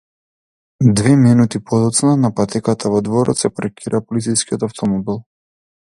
Две минути подоцна на патеката во дворот се паркира полицискиот автомобил.